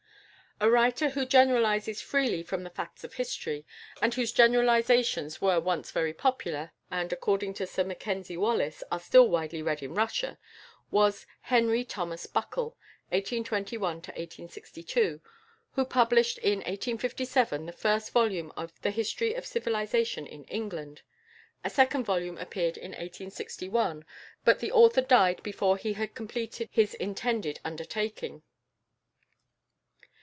A writer who generalises freely from the facts of history, and whose generalisations were once very popular, and, according to Sir Mackenzie Wallace, are still widely read in Russia, was =Henry Thomas Buckle (1821 1862)=, who published in 1857 the first volume of the "History of Civilisation in England;" a second volume appeared in 1861, but the author died before he had completed his intended undertaking.